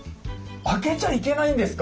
開けちゃいけないんですか？